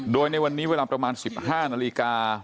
โดยในวันนี้เวลาประมาณ๑๕นาฬิกา